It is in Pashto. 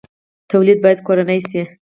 تولید باید کورنی شي